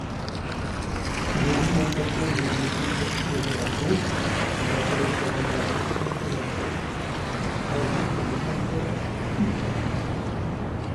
Le duo compose des titres expérimentaux, majoritairement instrumentaux, basés sur des samples hip-hop.